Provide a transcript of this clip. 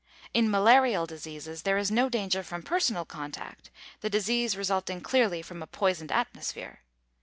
In malarial diseases there is no danger from personal contact; the disease resulting clearly from a poisoned atmosphere.